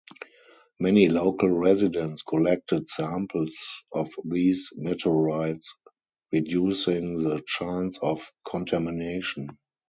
Many local residents collected samples of these meteorites reducing the chance of contamination.